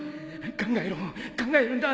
考えろ考えるんだ。